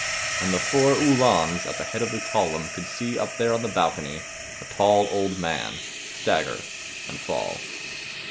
And the four Uhlans[275 1] at the head of the column could see up there on the balcony a tall old man stagger and fall.